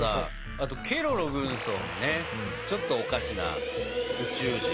あとケロロ軍曹もねちょっとおかしな宇宙人。